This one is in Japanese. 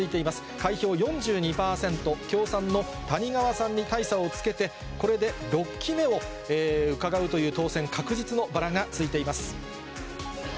開票４２％、共産の谷川さんに大差をつけて、これで６期目をうかがうという当選確実のバラがついています。